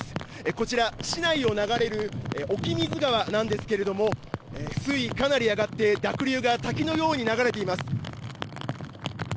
こちら、市内を流れる沖水川なんですけれども水位、かなり上がって濁流が滝のように流れています。